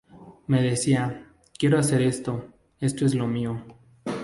Me decía: quiero hacer esto, esto es lo mío.